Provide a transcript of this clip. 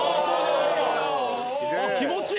ああ気持ちいい。